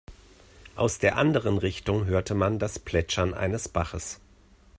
Aus der anderen Richtung hörte man das Plätschern eines Baches.